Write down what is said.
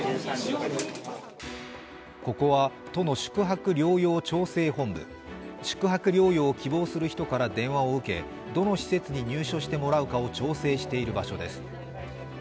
ここは都の宿泊療養調整本部宿泊療養を希望する人から電話を受けどの施設に入所してもらうかを調整している場所です。